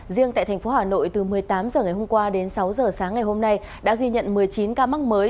riêng tại thành phố hà nội từ một mươi tám h ngày hôm qua đến sáu h sáng ngày hôm nay đã ghi nhận một mươi chín ca mắc mới